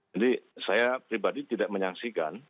jadi saya pribadi tidak menyaksikan